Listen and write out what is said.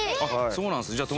そうなんですね。